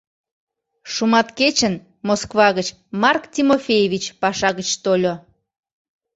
Шуматкечын Москва гыч Марк Тимофеевич паша гыч тольо.